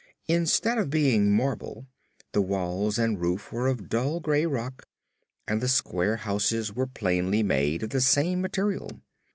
Instead of being marble, the walls and roof were of dull gray rock and the square houses were plainly made of the same material.